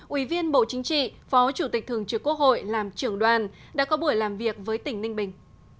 ủy viên bộ chính trị phó chủ tịch thường trực quốc hội làm trưởng đoàn đã có buổi làm việc với tỉnh ninh bình